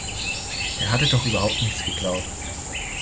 Er hatte doch überhaupt nichts geklaut.